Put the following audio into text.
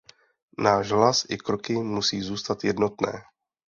Náš hlas i kroky musí zůstat jednotné.